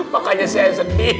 makanya saya sedih